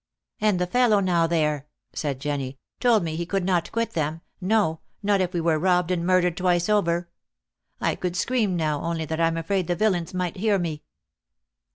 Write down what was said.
" And the fellow now there," said Jenny, " told me he could not quit them no, not if we were robbed and murdered twice over. I could scream now, only that I m afraid the villains might hear me!"